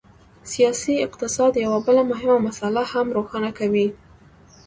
سیاسي اقتصاد یوه بله مهمه مسله هم روښانه کوي.